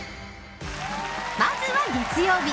まずは月曜日。